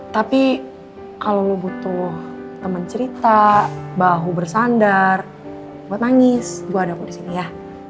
tapi kalau lo butuh teman cerita bahu bersandar buat nangis gue ada aku di sini ya